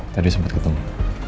tadi sempet ketemu